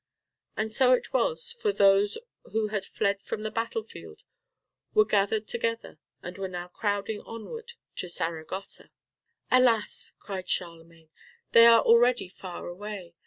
And so it was, for those who had fled from the battle field were gathered together and were now crowding onward to Saragossa. "Alas!" said Charlemagne, "they are already far away.